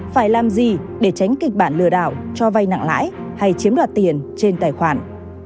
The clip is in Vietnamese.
phải làm gì để tránh kịch bản lừa đảo cho vay nặng lãi hay chiếm đoạt tiền trên tài khoản